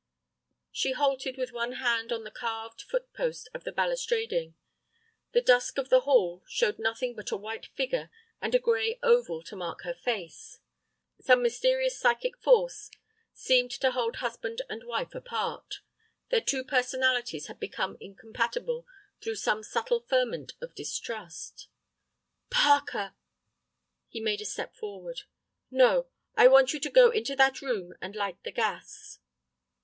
She halted with one hand on the carved foot post of the balustrading. The dusk of the hall showed nothing but a white figure and a gray oval to mark her face. Some mysterious psychic force seemed to hold husband and wife apart. Their two personalities had become incompatible through some subtle ferment of distrust. "Parker!" He made a step forward. "No, I want you to go into that room and light the gas."